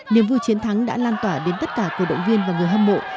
niềm vui chiến thắng đã lan tỏa đến tất cả cổ động viên và người hâm mộ